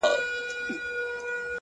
شپه چي تياره سي ـرڼا خوره سي ـ